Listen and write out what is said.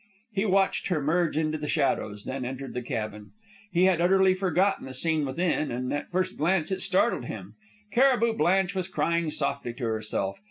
He watched her merge into the shadows, then entered the cabin. He had utterly forgotten the scene within, and at the first glance it startled him. Cariboo Blanche was crying softly to herself.